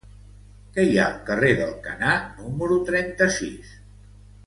Què hi ha al carrer d'Alcanar número trenta-sis?